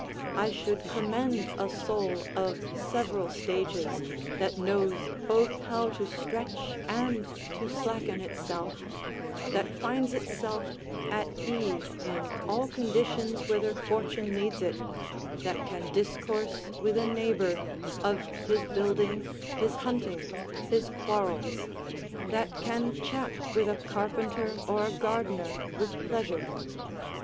I should commend a soul of several stages, that knows both how to stretch and to slacken itself; that finds itself at ease in all conditions whither fortune leads it; that can discourse with a neighbour, of his building, his hunting, his quarrels; that can chat with a carpenter or a gardener with pleasure.